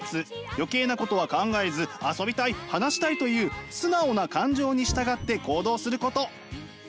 余計なことは考えず遊びたい話したいという素直な感情に従って行動すること。